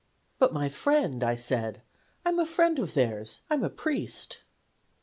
"'But, my friend,' I said, 'I'm a friend of theirs; I'm a priest.